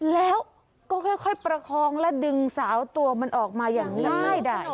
แล้วก็ค่อยประคองและดึงสาวตัวมันออกมาอย่างง่ายได้